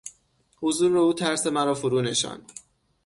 حضور او ترس مرا فرو نشاند.